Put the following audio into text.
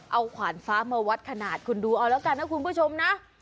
เอาขวานฟ้ามาวัดขนาดคุณดูเอาแล้วกันนะคุณผู้ชมนะ